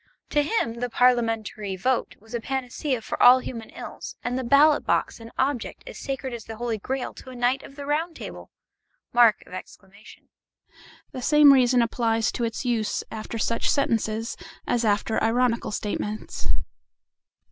To him the parliamentary vote was a panacea for all human ills, and the ballot box an object as sacred as the Holy Grail to a knight of the Round Table! The same reason applies to its use after such sentences as after ironical statements.